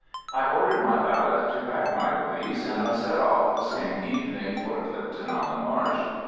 I ordered my valet to pack my valise, and I set off the same evening for Clipton on the Marsh.